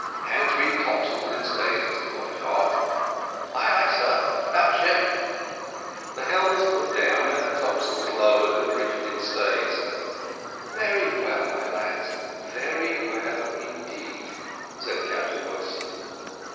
"Hands reef topsails in stays, Mr Pottyfar." "Ay, ay, sir 'bout ship." The helm was put down and the topsails lowered and reefed in stays. "Very well, my lads, very well indeed," said Captain Wilson.